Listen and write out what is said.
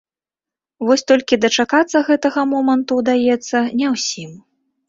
Вось толькі дачакацца гэтага моманту ўдаецца не ўсім.